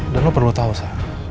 dan lo perlu tau sa